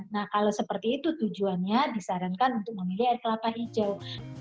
nah kalau seperti itu tujuannya disarankan untuk memilih air kelapa hijau